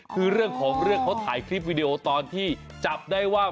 คือเรื่องของเรื่องเขาถ่ายคลิปวิดีโอตอนที่จับได้ว่า